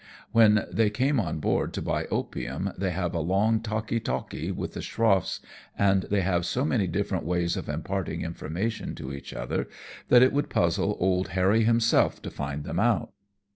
When they come on board to buy opium they have a long talkee talkee with the schroffs, and they have so many different ways of imparting informa tion to each other that it would puzzle Old Harry himself to find them out.